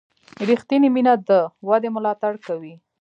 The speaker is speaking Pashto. ریښتینې مینه د ودې ملاتړ کوي.